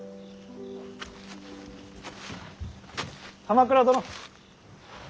鎌倉殿。